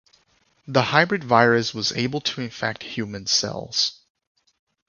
The hybrid virus was able to infect human cells.